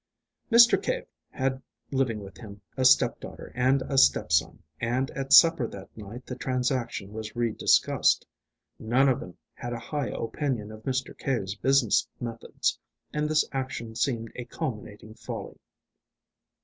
Mr. Cave had living with him a step daughter and a step son, and at supper that night the transaction was re discussed. None of them had a high opinion of Mr. Cave's business methods, and this action seemed a culminating folly.